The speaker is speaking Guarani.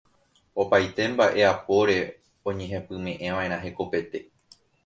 Opaite mba'e apóre oñehepyme'ẽva'erã hekopete.